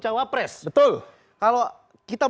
cawapres betul kalau kita